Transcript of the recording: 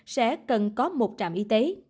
sẽ cần có một trạm y tế